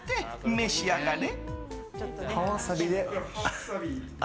召し上がれ。